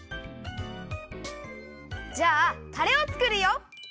じゃあタレをつくるよ！